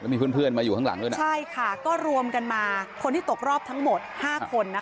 มีเพื่อนเพื่อนมาอยู่ข้างหลังด้วยนะใช่ค่ะก็รวมกันมาคนที่ตกรอบทั้งหมด๕คนนะคะ